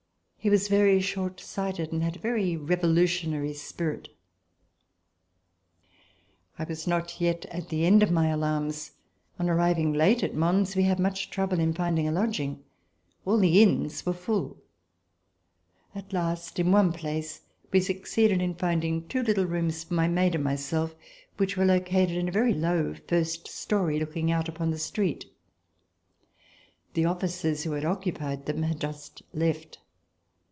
He was very short sighted and had a very revolutionary spirit. RECOLLECTIONS OF THE REVOLUTION I was not yet at the end of my alarms. On arriving late at Mons, we had much trouble in finding a lodging. All the inns were full. At last in one place we succeeded in finding two little rooms for my maid and myself which were located in a very low first story, looking out upon the street. The officers who occupied them had just left.